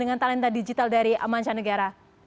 dengan talenta digital dari mancanegara